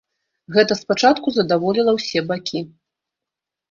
Гэта спачатку задаволіла ўсе бакі.